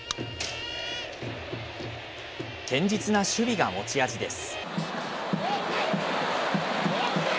堅実な守備が持ち味です。